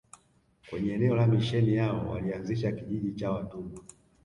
Kwenye eneo la misheni yao walianzisha kijiji cha watumwa